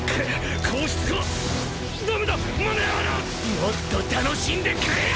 もっと楽しんでくれよ！！